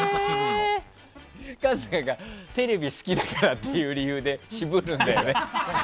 春日がテレビ好きだからっていう理由で渋るんだよね。